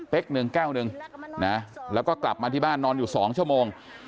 หนึ่งแก้วหนึ่งนะแล้วก็กลับมาที่บ้านนอนอยู่๒ชั่วโมง